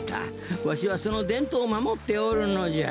わしはそのでんとうをまもっておるのじゃ。